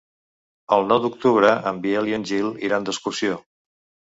El nou d'octubre en Biel i en Gil iran d'excursió.